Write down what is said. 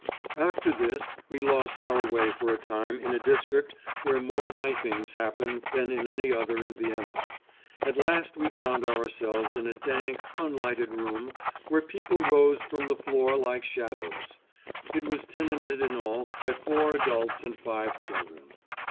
After this we lost our way for a time in a district where more knifings happen than in any other in Vienna. At last we found ourselves in a dank, unlighted room where people rose from the floor like shadows. It was tenanted in all by four adults and five children.